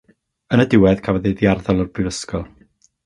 Yn y diwedd, cafodd ei ddiarddel o'r brifysgol.